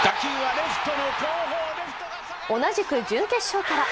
同じく準決勝から。